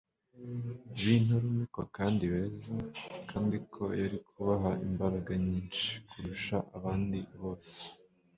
b'intarumikwa kandi beza, kandi ko yari kubaha imbaraga nyinshi kurusha abandi bose